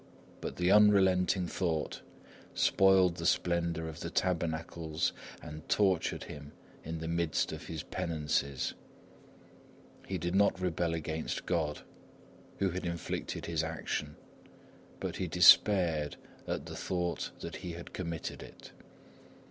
But the unrelenting thought spoiled the splendour of the tabernacles and tortured him in the midst of his penances. He did not rebel against God, who had inflicted his action, but he despaired at the thought that he had committed it.